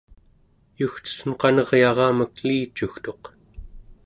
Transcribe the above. yugcetun qaneryaramek elicugtuq